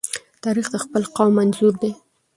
تاریخ د خپل قام انځور دی.